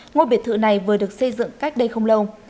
ngôi biệt thự này vừa được xây dựng cách đây không lâu